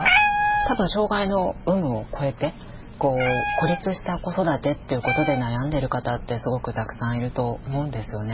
多分障害の有無を超えて孤立した子育てっていうことで悩んでいる方ってすごくたくさんいると思うんですよね。